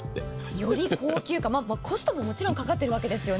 より高級感、コストももちろんかかってるわけですよね。